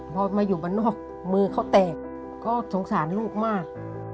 พอมาอยู่บ้านนอกมือเขาแตกก็สงสารลูกมาก